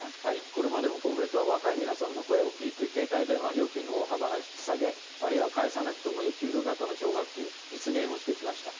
これまでも公明党は若い皆さんの声を聞いて携帯電話料金の大幅な引き下げあるいは返さなくてもいい給付型の奨学金を実施してきました。